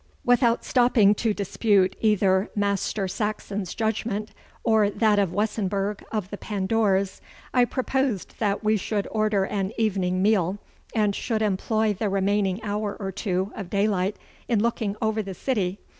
Without stopping to dispute either Master Saxon's judgment or that of Wessenburg of the Pandours, I proposed that we should order an evening meal, and should employ the remaining hour or two of daylight in looking over the city.